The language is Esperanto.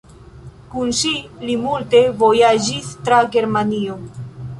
Kun ŝi li multe vojaĝis tra Germanio.